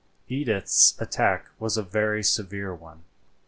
Edith's attack was a very severe one.